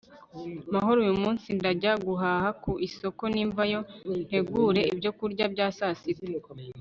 mahoro uyu munsi ndajya guhaha ku isoko, nimvayo ntegure ibyo kurya bya saa sita